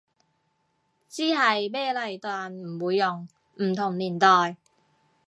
知係咩嚟但唔會用，唔同年代